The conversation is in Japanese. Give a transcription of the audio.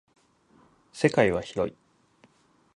世界は広い。